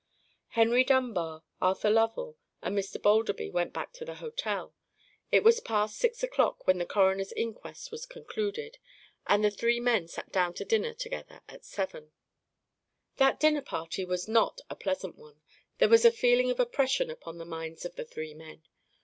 Henry Dunbar, Arthur Lovell, and Mr. Balderby went back to the hotel. It was past six o'clock when the coroner's inquest was concluded, and the three men sat down to dinner together at seven. That dinner party was not a pleasant one; there was a feeling of oppression upon the minds of the three men.